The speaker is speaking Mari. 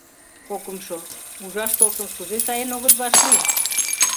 Кокымшо — ужаш толшым кузе сайын огыт вашлий?